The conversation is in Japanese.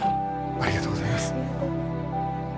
ありがとうございます。